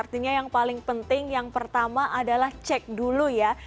artinya yang paling penting yang pertama adalah cek dulu ya